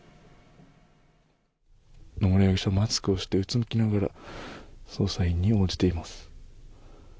野村容疑者マスクをしてうつむきながら捜査員に応じています。